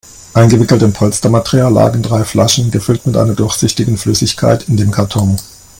Eingewickelt in Polstermaterial lagen drei Flaschen, gefüllt mit einer durchsichtigen Flüssigkeit, in dem Karton.